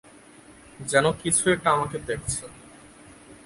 যেন কিছু একটা আমাকে দেখছে।